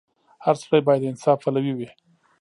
• هر سړی باید د انصاف پلوی وي.